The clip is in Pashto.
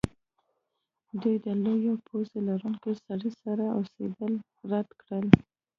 دوی د لویې پوزې لرونکي سړي سره اوسیدل رد کړل